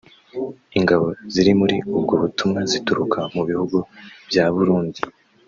Ingabo ziri muri ubwo butumwa zituruka mu bihugu bya Burundi